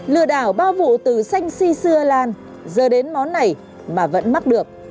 lừa đảo bao vụ từ xanh si xưa lan giờ đến món này mà vẫn mắc được